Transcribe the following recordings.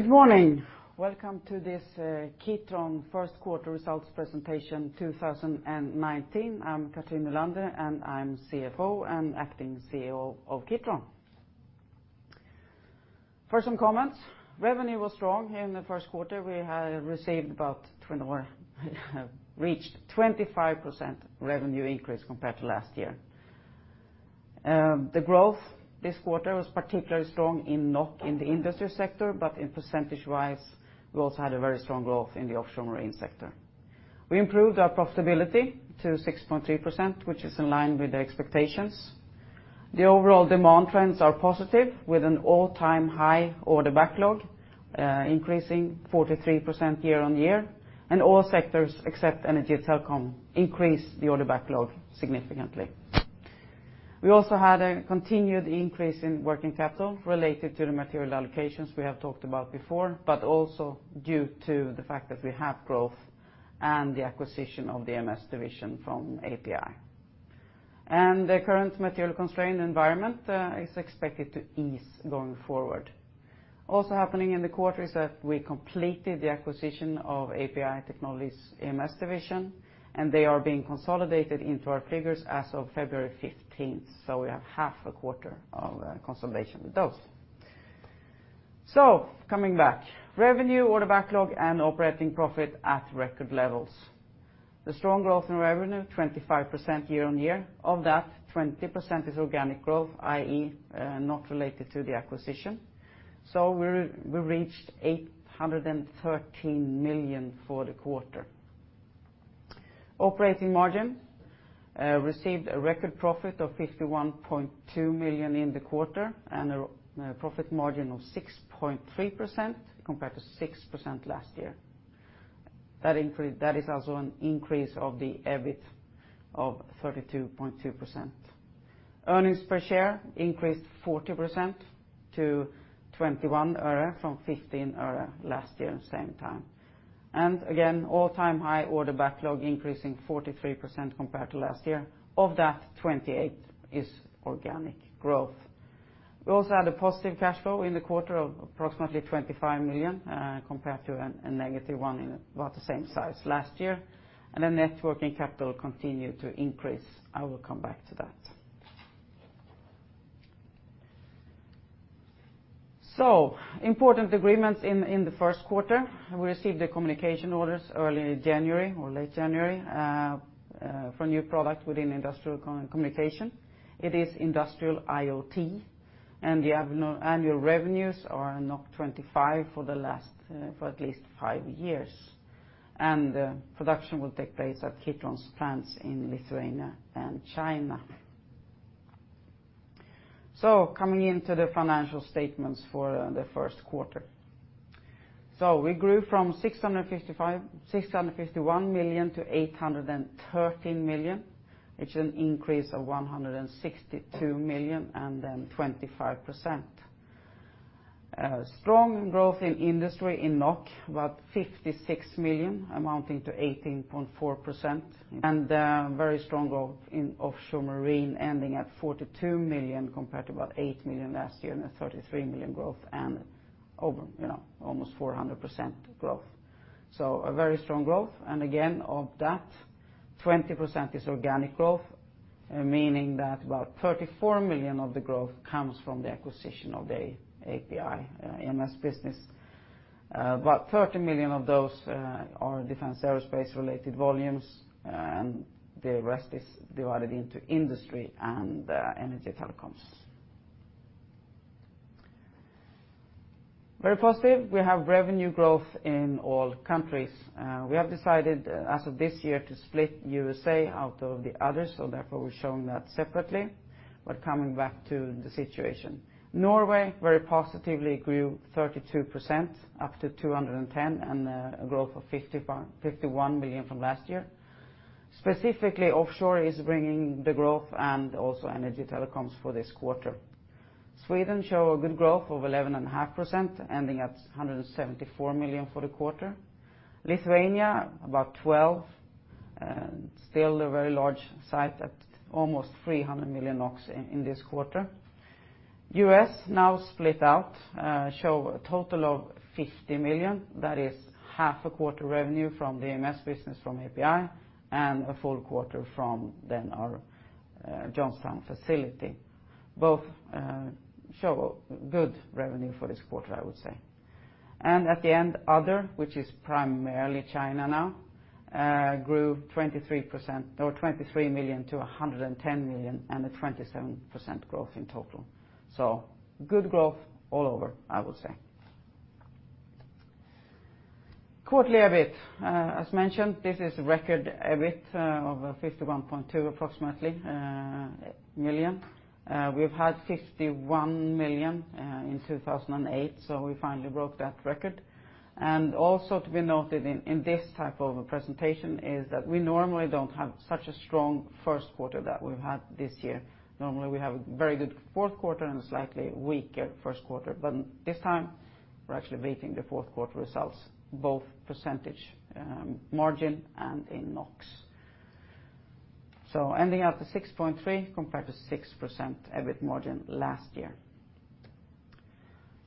Good morning. Welcome to this Kitron first quarter results presentation 2019. I'm Cathrin Nylander, and I'm CFO and acting CEO of Kitron. For some comments, revenue was strong here in the first quarter. We had received about 24%, reached 25% revenue increase compared to last year. The growth this quarter was particularly strong in NOK in the industry sector, but in percentage-wise, we also had a very strong growth in the offshore marine sector. We improved our profitability to 6.3%, which is in line with the expectations. The overall demand trends are positive, with an all-time high order backlog, increasing 43% year-on-year, and all sectors except energy and telecom increased the order backlog significantly. We also had a continued increase in working capital related to the material allocations we have talked about before, but also due to the fact that we have growth and the acquisition of the EMS division from API. The current material constrained environment is expected to ease going forward. Also happening in the quarter is that we completed the acquisition of API Technologies EMS division, and they are being consolidated into our figures as of February 15th, so we have half a quarter of consolidation with those. Coming back, revenue, order backlog, and operating profit at record levels. The strong growth in revenue, 25% year-on-year. Of that, 20% is organic growth, i.e., not related to the acquisition. We reached 813 million for the quarter. Operating margin received a record profit of 51.2 million in the quarter and a profit margin of 6.3% compared to 6% last year. That is also an increase of the EBIT of 32.2%. Earnings per share increased 40% to 21 øre from 15 øre last year same time. Again, all-time high order backlog increasing 43% compared to last year. Of that, 28% is organic growth. We also had a positive cash flow in the quarter of approximately 25 million compared to a negative one in about the same size last year. The net working capital continued to increase. I will come back to that. Important agreements in the first quarter. We received the communication orders early January or late January for a new product within industrial communication. It is industrial IoT, and the annual revenues are 25 for the last for at least five years. Production will take place at Kitron's plants in Lithuania and China. Coming into the financial statements for the first quarter. We grew from 651 million to 813 million, which is an increase of 162 million and then 25%. Strong growth in industry in NOK, about 56 million, amounting to 18.4%, and very strong growth in offshore marine, ending at 42 million compared to about 8 million last year and a 33 million growth and over, you know, almost 400% growth. A very strong growth, and again, of that, 20% is organic growth, meaning that about 34 million of the growth comes from the acquisition of the API EMS business. About 13 million of those are defense aerospace-related volumes, and the rest is divided into industry and energy telecoms. Very positive. We have revenue growth in all countries. We have decided as of this year to split USA out of the others, so therefore we're showing that separately. Coming back to the situation, Norway very positively grew 32% up to 210 and a growth of 51 million from last year. Specifically, offshore is bringing the growth and also energy telecoms for this quarter. Sweden show a good growth of 11.5%, ending at 174 million for the quarter. Lithuania, about 12, and still a very large site at almost 300 million NOK in this quarter. U.S., now split out, show a total of 50 million. That is half a quarter revenue from the EMS business from API and a full quarter from our Johnstown facility. Both show a good revenue for this quarter, I would say. At the end, other, which is primarily China now, grew 23% or 23 million to 110 million and a 27% growth in total. Good growth all over, I would say. Quarterly EBIT. As mentioned, this is a record EBIT of 51.2 million, approximately. We've had 51 million in 2008, we finally broke that record. Also to be noted in this type of a presentation is that we normally don't have such a strong first quarter that we've had this year. Normally, we have a very good fourth quarter and a slightly weaker first quarter. This time, we're actually beating the fourth quarter results, both percentage margin and in NOK. Ending up to 6.3 compared to 6% EBIT margin last year.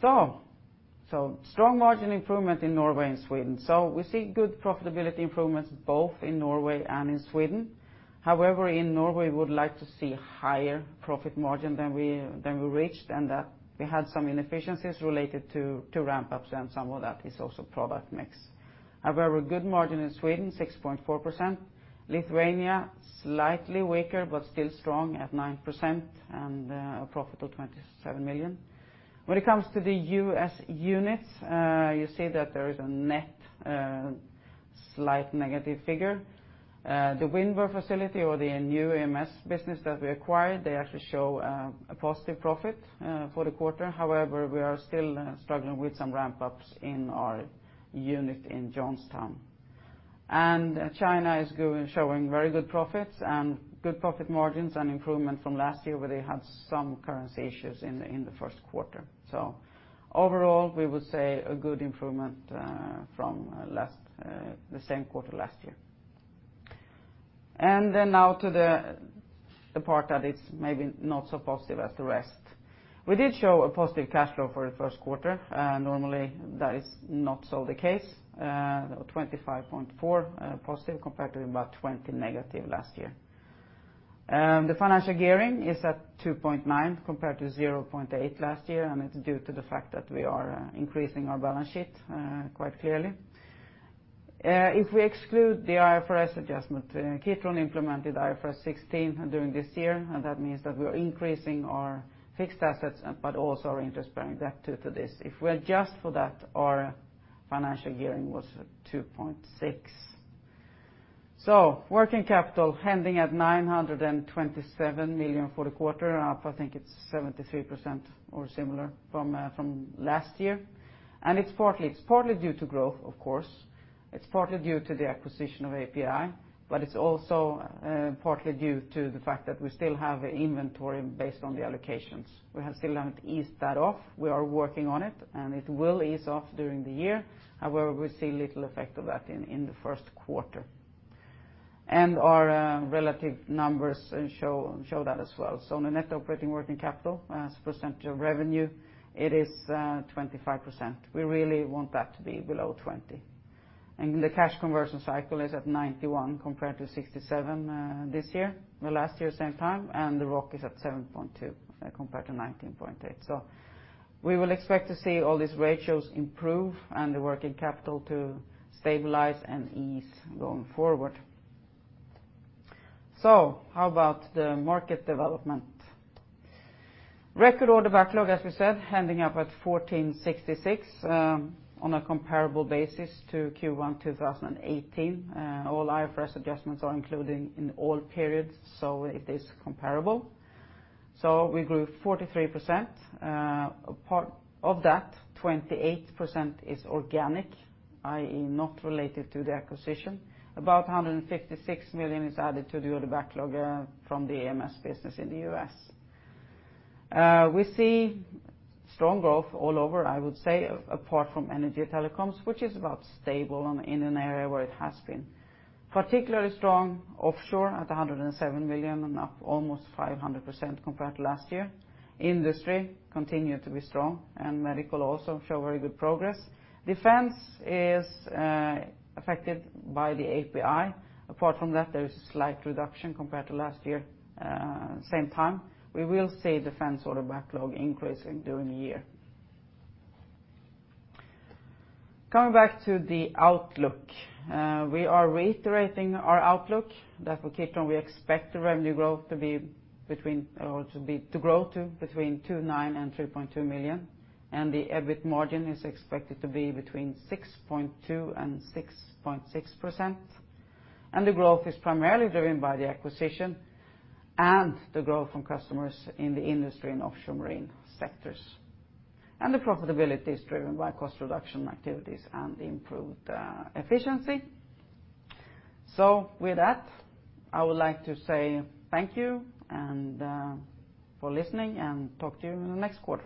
Strong margin improvement in Norway and Sweden. We see good profitability improvements both in Norway and in Sweden. However, in Norway, we would like to see higher profit margin than we reached, and we had some inefficiencies related to ramp-ups, and some of that is also product mix. However, a good margin in Sweden, 6.4%. Lithuania, slightly weaker but still strong at 9% and a profit of 27 million. When it comes to the U.S. units, you see that there is a net, slight negative figure. The Windber facility or the new EMS business that we acquired, they actually show a positive profit for the quarter. However, we are still struggling with some ramp-ups in our unit in Johnstown. China is showing very good profits and good profit margins and improvement from last year, where they had some currency issues in the, in the first quarter. Overall, we would say a good improvement from last, the same quarter last year. Now to the part that is maybe not so positive as the rest. We did show a positive cash flow for the first quarter, normally that is not so the case. 25.4 positive compared to about 20 negative last year. The financial gearing is at 2.9 compared to 0.8 last year. It's due to the fact that we are increasing our balance sheet quite clearly. If we exclude the IFRS adjustment, Kitron implemented IFRS 16 during this year. That means that we are increasing our fixed assets, also our interest-bearing debt due to this. If we adjust for that, our financial gearing was at 2.6. Working capital ending at 927 million for the quarter, up, I think it's 73% or similar from last year. It's partly due to growth, of course, it's partly due to the acquisition of API, it's also partly due to the fact that we still have inventory based on the allocations. We have still haven't eased that off. We are working on it, and it will ease off during the year. However, we see little effect of that in the first quarter. Our relative numbers show that as well. On a net operating working capital as a percentage of revenue, it is 25%. We really want that to be below 20. The cash conversion cycle is at 91 compared to 67 this year, last year, same time, and the ROC is at 7.2 compared to 19.8. We will expect to see all these ratios improve and the working capital to stabilize and ease going forward. How about the market development? Record order backlog, as we said, ending up at 1,466 on a comparable basis to Q1 2018. All IFRS adjustments are included in all periods, it is comparable. We grew 43%. Part of that, 28% is organic, i.e. not related to the acquisition. About 156 million is added to the order backlog from the AMS business in the U.S., we see strong growth all over, I would say, apart from energy and telecoms, which is about stable and in an area where it has been. Particularly strong offshore at 107 million and up almost 500% compared to last year. Industry continued to be strong and medical also show very good progress. Defense is affected by the API. Apart from that, there's a slight reduction compared to last year, same time. We will see defense order backlog increasing during the year. Coming back to the outlook, we are reiterating our outlook that for Kitron we expect the revenue growth to grow to between 2.9 million and 3.2 million. The EBIT margin is expected to be between 6.2% and 6.6%. The growth is primarily driven by the acquisition and the growth from customers in the industry and offshore marine sectors. The profitability is driven by cost reduction activities and improved efficiency. With that, I would like to say thank you and for listening and talk to you in the next quarter.